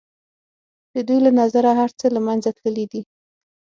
د دوی له نظره هر څه له منځه تللي دي.